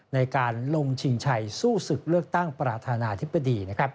ในการลงชิงชัยสู้ศึกเลือกตั้งประธานาธิบดี